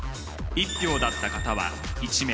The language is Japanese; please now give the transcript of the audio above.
１票だった方は１名。